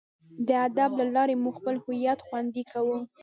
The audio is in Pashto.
د ادب له لارې موږ خپل هویت خوندي کوو.